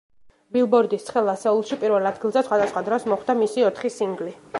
ბილბორდის ცხელ ასეულში პირველ ადგილზე სხვადასხვა დროს მოხვდა მისი ოთხი სინგლი.